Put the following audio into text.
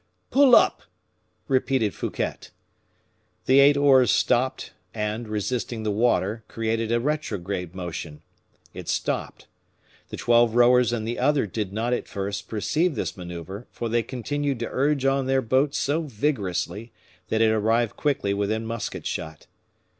"Pull up!" repeated Fouquet. The eight oars stopped, and resisting the water, created a retrograde motion. It stopped. The twelve rowers in the other did not, at first, perceive this maneuver, for they continued to urge on their boat so vigorously that it arrived quickly within musket shot.